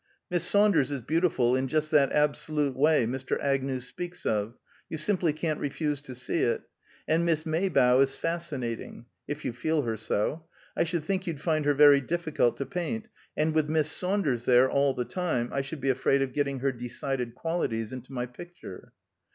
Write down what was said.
Miss Saunders is beautiful in just that absolute way Mr. Agnew speaks of; you simply can't refuse to see it; and Miss Maybough is fascinating, if you feel her so. I should think you'd find her very difficult to paint, and with Miss Saunders there, all the time, I should be afraid of getting her decided qualities into my picture."